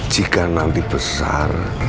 jika nanti besar